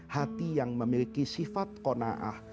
hati yang memiliki sifat kona'ah